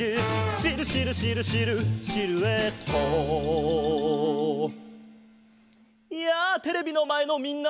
「シルシルシルシルシルエット」やあテレビのまえのみんな！